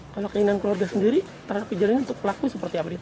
kalau keinginan keluarga sendiri terhadap kejadian ini untuk pelaku seperti apa